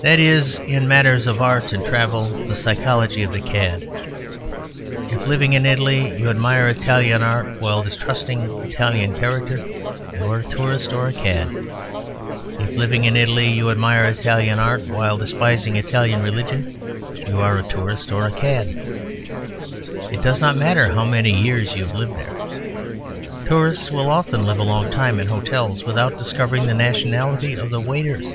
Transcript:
That is, in matters of art and travel, the psychology of the cad. If, living in Italy, you admire Italian art while distrusting Italian character, you are a tourist, or cad. If, living in Italy, you admire Italian art while despising Italian religion, you are a tourist, or cad. It does not matter how many years you have lived there. Tourists will often live a long time in hotels without discovering the nationality of the waiters.